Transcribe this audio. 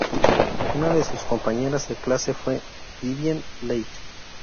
Una de sus compañeras de clase fue Vivien Leigh.